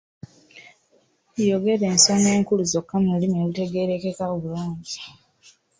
Yogera ensonga enkulu zokka mu lulimi olutegeerekeka obulungi.